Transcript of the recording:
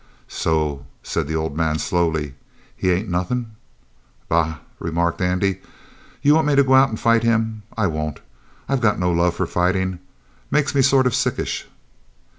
"So?" said the old man slowly. "He ain't nothin'?" "Bah!" remarked Andy. "You want me to go out and fight him? I won't. I got no love for fighting. Makes me sort of sickish."